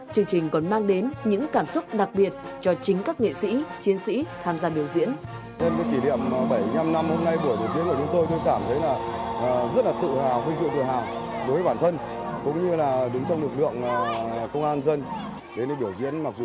chương trình còn mang đến những cảm xúc đặc biệt cho chính các nghệ sĩ chiến sĩ tham gia biểu diễn